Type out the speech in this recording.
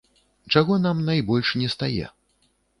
Чаго нам найбольш нестае?